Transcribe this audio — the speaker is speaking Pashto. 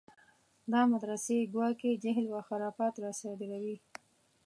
دا مدرسې ګواکې جهل و خرافات راصادروي.